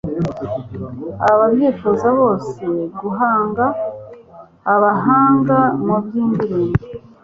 ababyifuza bose guhanga. abahanga mu by'indirimbo